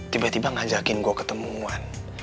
tiba tiba ngajakin gue ketemuan